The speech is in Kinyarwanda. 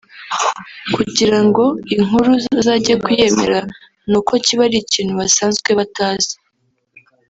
kugirango inkuru bazajye kuyemera n’uko kiba ari ikintu basanzwe batazi